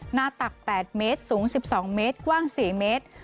ตัก๘เมตรสูง๑๒เมตรกว้าง๔เมตร